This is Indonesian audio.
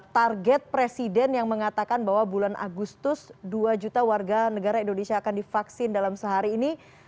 target presiden yang mengatakan bahwa bulan agustus dua juta warga negara indonesia akan divaksin dalam sehari ini